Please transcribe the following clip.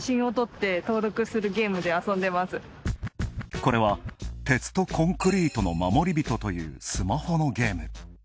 これは「鉄とコンクリートの守り人」というスマホのゲーム。